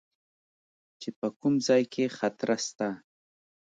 چې په کوم ځاى کښې خطره سته.